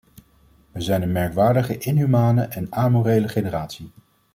Wij zijn een merkwaardig inhumane en amorele generatie.